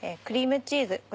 クリームチーズ